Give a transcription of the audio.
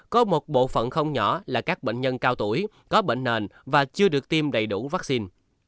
có một bộ phận không nhỏ là các bệnh nhân cao tuổi có bệnh nền và chưa được tiêm đầy đủ vaccine